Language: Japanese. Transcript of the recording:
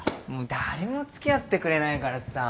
誰も付き合ってくれないからさ。